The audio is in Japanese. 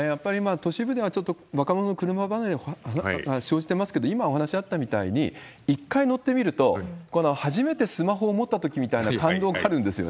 都市部ではちょっと若者の車離れが生じてますけれども、今お話あったみたいに、１回乗ってみると、初めてスマホを持ったときみたいな感動があるんですよね。